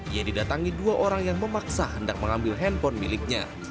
ia didatangi dua orang yang memaksa hendak mengambil handphone miliknya